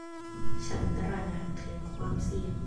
ฉันตระหนักถึงความเสี่ยง